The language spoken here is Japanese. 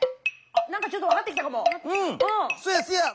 なんかちょっと分かってきたかも。